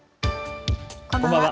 こんばんは。